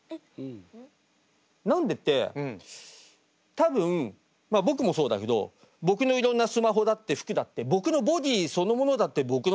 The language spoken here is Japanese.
ん？何でって多分まっ僕もそうだけど僕のいろんなスマホだって服だって僕のボディーそのものだって僕のもんじゃないよ多分。